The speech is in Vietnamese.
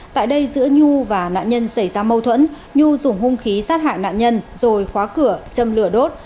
tại đây giữa nhu và nạn nhân xảy ra mâu thuẫn nhu dùng hung khí sát hại nạn nhân rồi khóa cửa châm lửa đốt